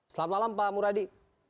selamat malam pak muradi